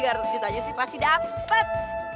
tiga ratus juta aja sih pasti dapat